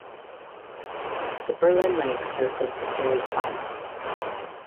The Berlin leg served as the series final.